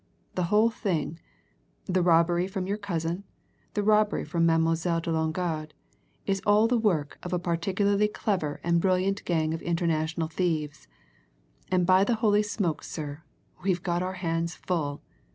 The whole thing the robbery from your cousin, the robbery from Mademoiselle de Longarde is all the work of a particularly clever and brilliant gang of international thieves; and, by the holy smoke, sir, we've got our hands full!